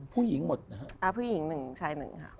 ผู้หญิงหมดนะฮะอ่าผู้หญิง๑ใช่๑ค่ะ